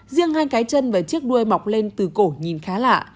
riêng hai cái chân và chiếc đuôi mọc lên từ cổ nhìn khá lạ